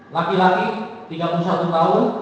laki laki tiga puluh satu tahun